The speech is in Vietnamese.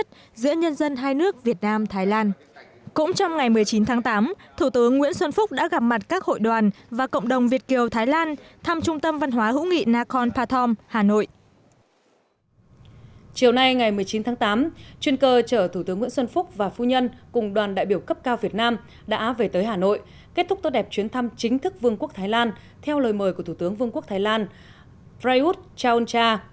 chín tháng tám chuyên cơ chở thủ tướng nguyễn xuân phúc và phu nhân cùng đoàn đại biểu cấp cao việt nam đã về tới hà nội kết thúc tốt đẹp chuyến thăm chính thức vương quốc thái lan theo lời mời của thủ tướng vương quốc thái lan prayut chaon cha